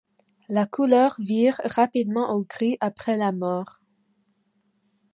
La couleur vire rapidement au gris après la mort.